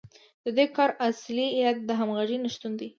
د دې کار اصلي علت د همغږۍ نشتون دی